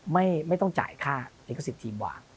ไม่ต้องจ่ายค่าลิขสิทธิ์ทีมวาง